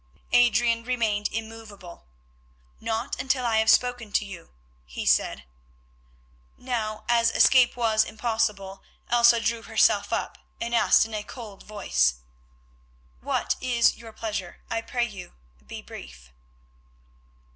Adrian remained immovable. "Not until I have spoken to you," he said. Now as escape was impossible Elsa drew herself up and asked in a cold voice: "What is your pleasure? I pray you, be brief."